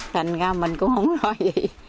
thành ra mình cũng không có gì